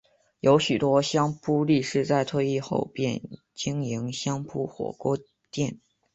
有许多相扑力士在退役后便经营相扑火锅店。